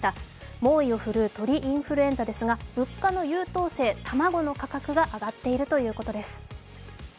猛威を振るう鳥インフルエンザですが物価の優等生、卵の価格が上がっているということです。